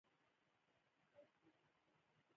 او په ډیر تدبیر.